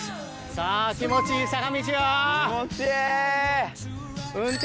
さぁ気持ちいい坂道よ。